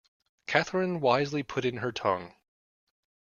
Catherine wisely put in her tongue.